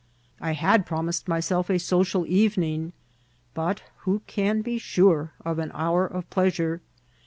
I had promised myself a social evening ; but who can be sure of an hour of pleasure